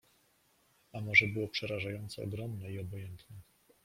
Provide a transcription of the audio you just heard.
A morze było przerażająco ogromne i obojętne.